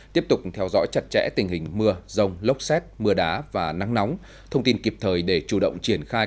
tiếp tục theo dõi chặt chẽ tình hình mưa rông lốc xét mưa đá và nắng nóng thông tin kịp thời để chủ động triển khai